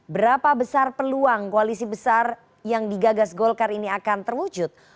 berapa besar peluang koalisi besar yang digagas golkar ini akan terwujud